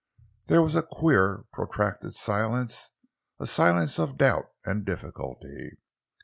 There was a queer, protracted silence, a silence of doubt and difficulty.